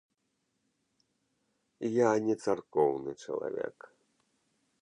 Я не царкоўны чалавек.